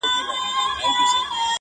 چي تازه هوا مي هره ورځ لرله-